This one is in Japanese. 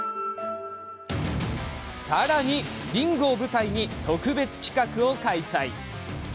さらにリングを舞台に特別企画を開催。